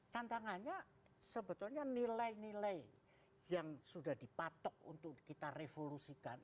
tantangannya sebetulnya nilai nilai yang sudah dipatok untuk kita revolusikan